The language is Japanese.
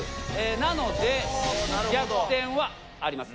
なので逆転はあります。